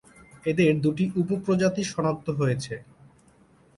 এদের দুটি উপ-প্রজাতি সনাক্ত হয়েছে।